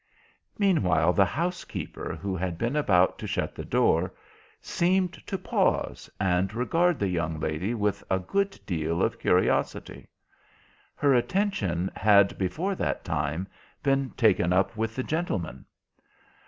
Meanwhile the housekeeper, who had been about to shut the door, seemed to pause and regard the young lady with a good deal of curiosity. Her attention had before that time been taken up with the gentleman.